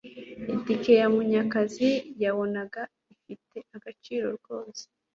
itike ya Munyakazi yabonaga ifite agaciro rwose